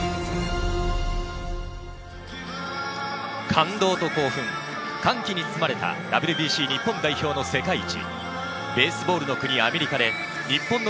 感動と興奮、歓喜に包まれたＷＢＣ日本代表の世界一。